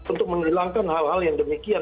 untuk menghilangkan hal hal yang demikian